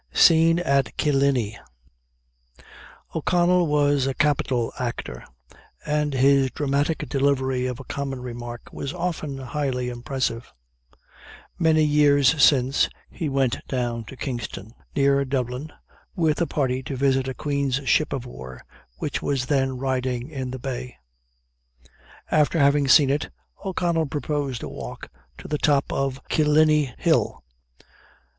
SCENE AT KILLINEY. O'Connell was a capital actor, and his dramatic delivery of a common remark was often highly impressive. Many years since, he went down to Kingstown, near Dublin, with a party, to visit a queen's ship of war, which was then riding in the bay. After having seen it, O'Connell proposed a walk to the top of Killiney Hill.